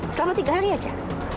selama tiga hari saja